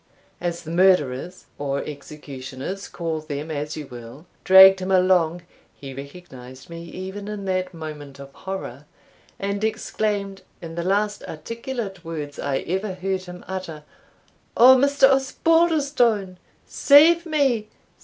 As the murderers, or executioners, call them as you will, dragged him along, he recognised me even in that moment of horror, and exclaimed, in the last articulate words I ever heard him utter, "Oh, Mr. Osbaldistone, save me!